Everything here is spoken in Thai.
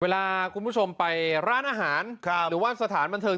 เวลาคุณผู้ชมไปร้านอาหารหรือว่าสถานบันเทิง